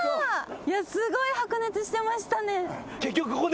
いやすごい白熱してましたね。